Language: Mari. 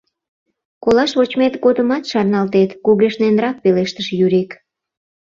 Колаш вочмет годымат шарналтет, — кугешненрак пелештыш Юрик.